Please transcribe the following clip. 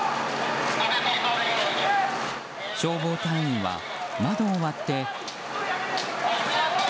消防隊員は窓を割って。